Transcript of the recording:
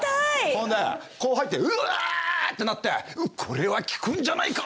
ほんでこう入ってうわ！ってなってこれは効くんじゃないか！